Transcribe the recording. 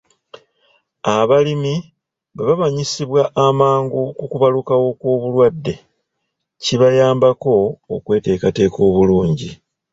Abalimi bwe bamanyisibwa amangu ku kubalukawo kw'obulwadde, kibayambako okweteekateeka obulungi